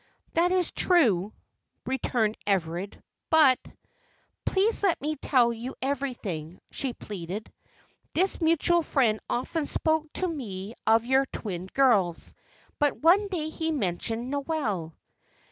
"That is true," returned Everard. "But " "Please let me tell you everything," she pleaded. "This mutual friend often spoke to me of your twin girls, but one day he mentioned Noel.